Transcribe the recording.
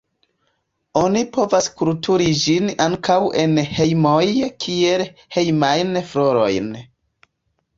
Oni povas kulturi ĝin ankaŭ en hejmoj kiel hejmajn florojn.